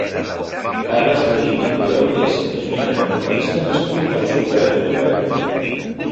Carles Benítez i Baudés és un independentista nascut a l'Hospitalet de Llobregat.